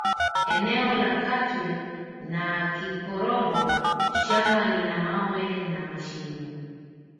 Eneo la Katwe na Kikorongo shamba lina mawe na mashimo